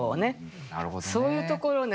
そういうところね